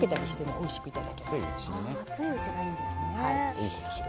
熱いうちがいいんですね。